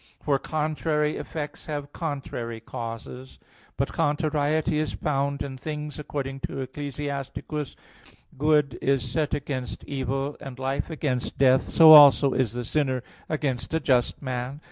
For contrary effects have contrary causes. But contrariety is found in things, according to Ecclus. 33:15: "Good is set against evil, and life against death; so also is the sinner against a just man."